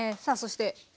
さあそして。